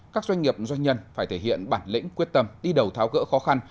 các doanh nghiệp doanh nhân phải thể hiện bản lĩnh quyết tâm đi đầu tháo gỡ khó khăn